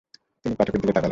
তিনি পাঠকের দিকে তাকালেন।